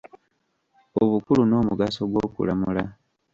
Obukulu n'omugaso gw'okulamula.